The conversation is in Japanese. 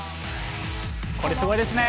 これ、すごいですね。